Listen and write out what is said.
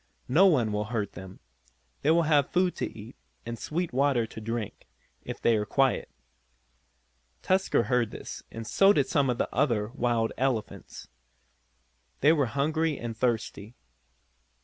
No one will hurt them. They will have food to eat, and sweet water to drink, if they are quiet." Tusker heard this, and so did some of the other wild elephants. They were hungry and thirsty.